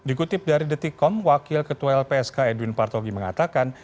dikutip dari detikom wakil ketua lpsk edwin partogi mengatakan